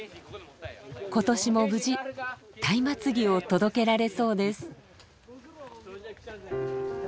今年も無事松明木を届けられそうです。